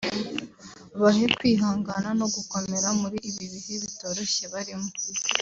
bahe kwihangana no gukomera muri ibi bihe bitoroshye barimo”